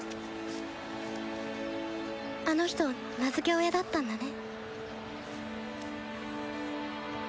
あの人名付け親だったんだね